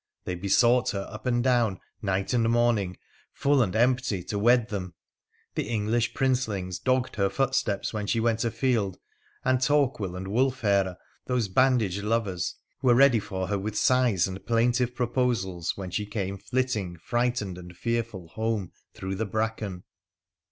They besought her up and down, night and morning, full and empty, to wed them. The English Princelings dogged her footsteps when she went afield, and Torquil and Wulfhere, those bandaged lovers, were ready for her with sighs and plaintive proposals when she came flitting, frightened, and fearful home through the bracken.